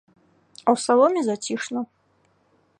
А ў саломе зацішна.